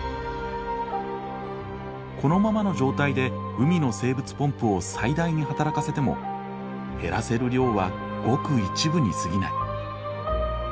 このままの状態で海の生物ポンプを最大に働かせても減らせる量はごく一部にすぎない。